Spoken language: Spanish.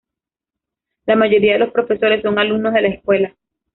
La mayoría de los profesores son alumnos de la escuela.